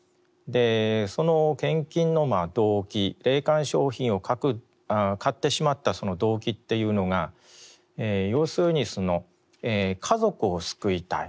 その献金の動機霊感商品を買ってしまったその動機というのが要するに家族を救いたい先祖を救いたい。